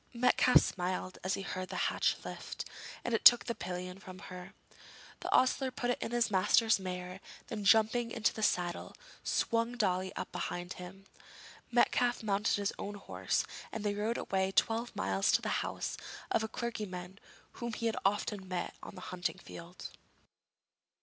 Metcalfe smiled as he heard the latch lifted, and took the pillion from her. The ostler put it on his master's mare, then jumping into the saddle, swung Dolly up behind him. Metcalfe mounted his own horse, and they rode away twelve miles to the house of a clergyman whom he had often met on the hunting field.